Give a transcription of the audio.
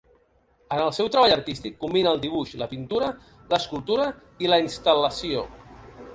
En el seu treball artístic combina el dibuix, la pintura, l'escultura i la instal·lació.